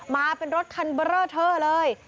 มาเป็นรถคันเบอร์เลอร์เทอร์เลย